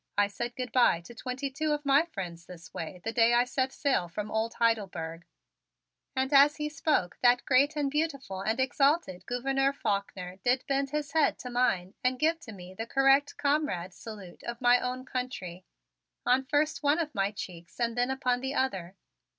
I said good bye to twenty two of my friends this way the day I set sail from old Heidelberg," and as he spoke, that great and beautiful and exalted Gouverneur Faulkner did bend his head to mine and give to me the correct comrade salute of my own country on first one of my cheeks and then upon the other.